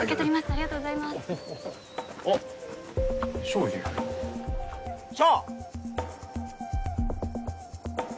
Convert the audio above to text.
ありがとうございますあっ翔いるやん翔！